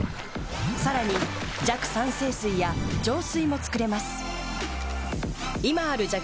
さらに弱酸性水や浄水も作れます。